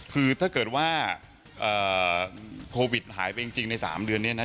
คือถ้าเกิดว่าโควิดหายไปจริงใน๓เดือนเนี่ยนะ